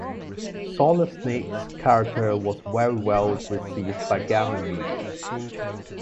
Solid Snake's character was very well received by gaming media.